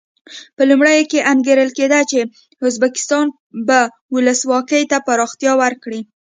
په لومړیو کې انګېرل کېده چې ازبکستان به ولسواکي ته پراختیا ورکړي.